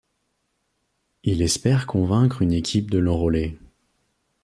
Il espère convaincre une équipe de l'enrôler.